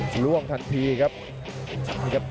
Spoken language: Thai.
ล่วงทันทีครับ